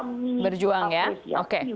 apresiasi lima gubernur yang benar